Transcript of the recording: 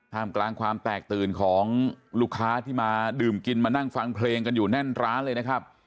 มกลางความแตกตื่นของลูกค้าที่มาดื่มกินมานั่งฟังเพลงกันอยู่แน่นร้านเลยนะครับ